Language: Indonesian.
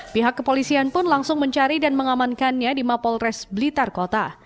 pihak kepolisian pun langsung mencari dan mengamankannya di mapolres blitar kota